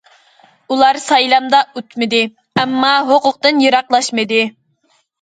ئۇلار سايلامدا ئۇتمىدى، ئەمما ھوقۇقتىن يىراقلاشمىدى.